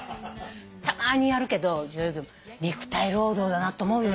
たまーにやるけど女優業肉体労働だなって思うよね。